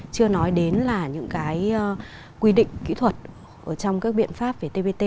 chưa nói đến là những cái quy định kỹ thuật trong các biện pháp về tbt